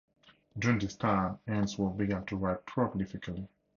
During this time, Ainsworth began to write prolifically.